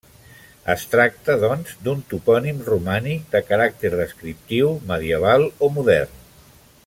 Es tracta, doncs, d'un topònim romànic de caràcter descriptiu, medieval o modern.